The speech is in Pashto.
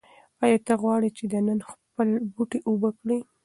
ایا ته غواړې چې نن خپل بوټي اوبه کړې؟